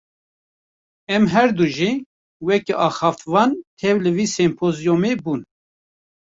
Em herdu jî, wekî axaftvan tev li vê sempozyûmê bûn